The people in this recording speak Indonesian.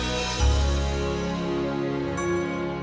sari kata dari sdi media